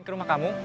ke rumah kamu